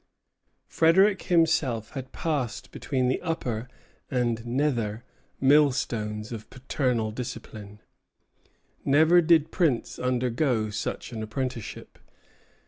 Frederic himself had passed between the upper and nether millstones of paternal discipline. Never did prince undergo such an apprenticeship.